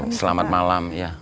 iya selamat malam ya